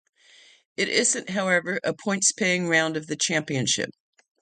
It isn't, however, a points-paying round of the championship.